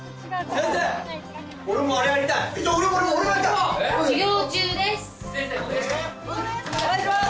先生お願いします。